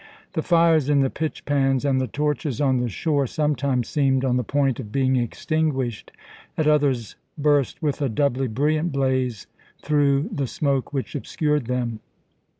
The fires in the pitch pans and the torches on the shore sometimes seemed on the point of being extinguished, at others burst with a doubly brilliant blaze through the smoke which obscured them.